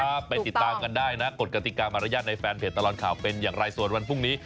ไปติดตามกันได้นะกฎกติกามารยาทในแฟนเพจตลอดข่าวเป็นอย่างไรส่วนวันพรุ่งนี้